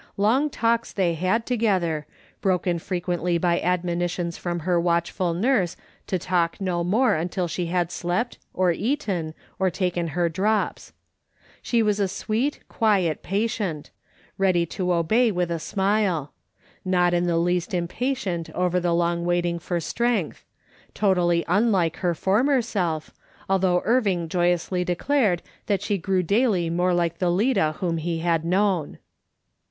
Long talks they had together, broken frequently by admonitions from her watchful nurse to talk no more until she had slept, or eaten, or taken her drops. She was a sweet, quiet patient, ready to obey with a smile ; not in the least impatient over the long waiting for strength ; totally unlike her former self, although Irving joy ously declared that she grew daily more like the Lida whom he had known.